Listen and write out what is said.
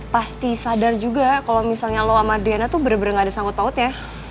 pasti sadar juga kalo misalnya lo sama adriana tuh bener bener gak ada sangkut pautnya